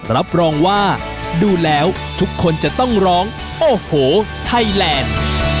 รับรองว่าดูแล้วทุกคนจะต้องร้องโอ้โหไทยแลนด์